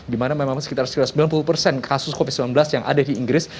di mana memang sekitar sembilan puluh persen kasus covid sembilan belas yang ada di inggris